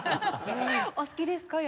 お好きですか？